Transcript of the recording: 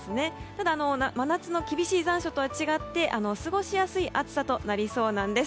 ただ、真夏の厳しい残暑とは違って過ごしやすい暑さとなりそうです。